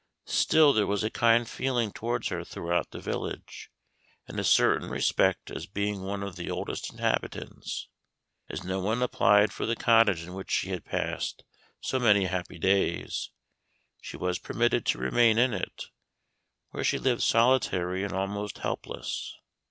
Still there was a kind feeling towards her throughout the village, and a certain respect as being one of the oldest inhabitants. As no one applied for the cottage in which she had passed so many happy days, she was permitted to remain in it, where she lived solitary and almost helpless.